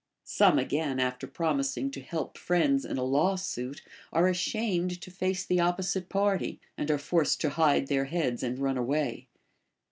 Some again, after promising to help friends in a lawsuit, are ashamed to face the opposite party, and are forced to hide their heads and run away.